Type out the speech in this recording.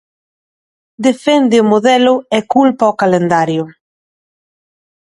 Defende o modelo e culpa o calendario.